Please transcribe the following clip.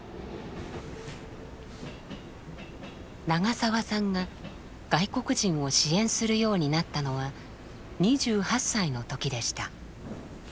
長澤さんが外国人を支援するようになったのは２８歳の時でした。